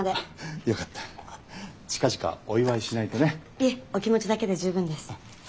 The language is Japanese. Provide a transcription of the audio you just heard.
いえお気持ちだけで十分です。